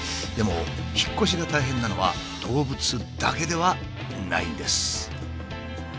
でも引っ越しが大変なのは動物だけではないんです。